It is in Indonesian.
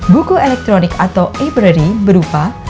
buku elektronik atau ebrary berupa